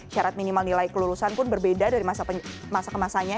syarat minimal nilai kelulusan pun berbeda dari masa kemasanya